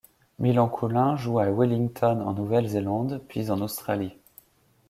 Millencolin joue à Wellington, en Nouvelle-Zélande, puis en Australie.